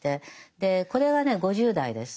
でこれはね５０代です。